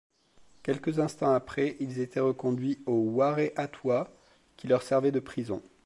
Quelques instants après, ils étaient reconduits au Waré-Atoua, qui leur servait de prison.